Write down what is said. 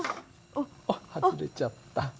あっ外れちゃった。